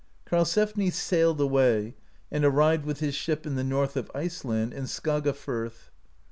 Karlsefni sailed away, and arrived with his ship in the north of Iceland, in Skagafirth.